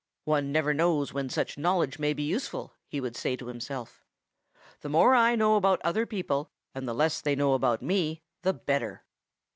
"'One never knows when such knowledge may be useful,' he would say to himself. 'The more I know about other people and the less they know about me the better.'